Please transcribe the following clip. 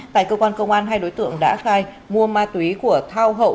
tại cơ quan công an hai đối tượng đã khai mua ma túy của thao hậu